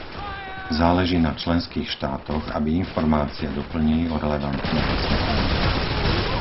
Záleží na členských štátoch, aby informácie doplnili o relevantné vysvetlenia.